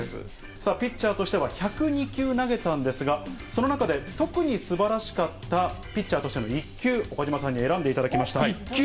さあ、ピッチャーとしては、１０２球投げたんですが、その中で特にすばらしかったピッチャーとしての一球、岡島さんに一球？